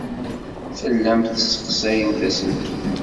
Tellamt tessexsayemt aselkim.